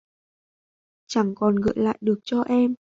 Chẳng còn gợi lại được cho em